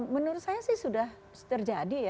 menurut saya sih sudah terjadi ya